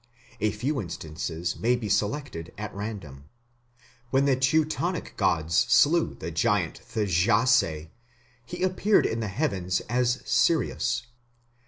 A few instances may be selected at random. When the Teutonic gods slew the giant Thjasse, he appeared in the heavens as Sirius.